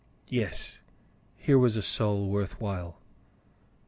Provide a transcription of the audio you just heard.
Yes, here was a soul worth while.